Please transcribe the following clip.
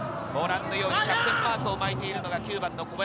キャプテンマークを巻いているのが９番の小林。